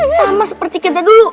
sama seperti kita dulu